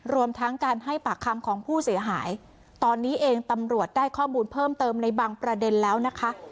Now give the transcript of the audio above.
รวมทั้งการให้ปากคำของผู้เสียหายตอนนี้เองตำรวจได้ข้อมูลเพิ่มเติมในบางประเด็นแล้วนะคะ